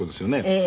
ええ。